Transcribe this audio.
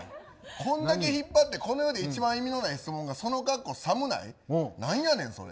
婚だけ引っ張ってこの世で一番意味のない質問が寒ない？